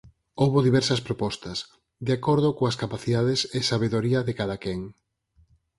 Houbo diversas propostas, de acordo coas capacidades e sabedoría de cadaquén.